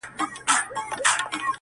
• آس هم د ننګ وي هم د جنګ وي ,